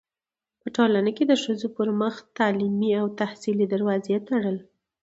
پـه ټـولـه کـې د ښـځـو پـر مـخ تـعلـيمي او تحصـيلي دروازې تــړل.